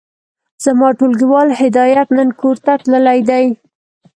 زما ټولګيوال هدايت نن کورته تللی دی.